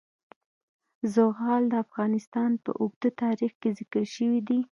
زغال د افغانستان په اوږده تاریخ کې ذکر شوی دی.